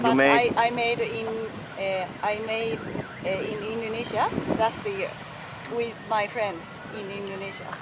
tapi saya membuatnya di indonesia tahun lalu dengan teman teman saya di indonesia